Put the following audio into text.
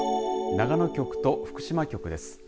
長野局と福島局です。